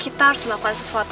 kita harus melakukan sesuatu